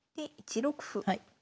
で８六歩。